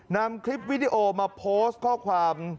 นำคลิปวิดีโอมาโพสต์ข้อความ